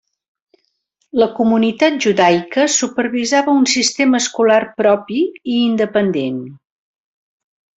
La comunitat judaica supervisava un sistema escolar propi i independent.